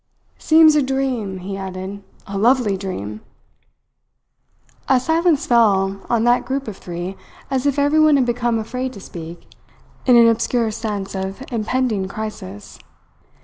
"Seems a dream," he added. "A lovely dream!" A silence fell on that group of three, as if everyone had become afraid to speak, in an obscure sense of an impending crisis.